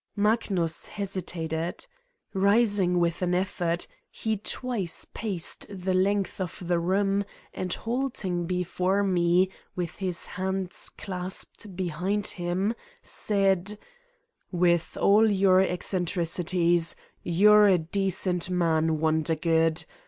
Magnus hesitated. Rising with an effort, he twice paced the length of the room and halting before me, with his hands clasped behind him, said: "With all your eccentricities, you're a decent man, Wondergood.